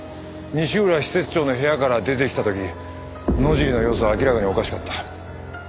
西浦施設長の部屋から出てきた時野尻の様子は明らかにおかしかった。